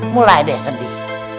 mulai deh sedih